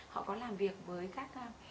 họ có làm việc với các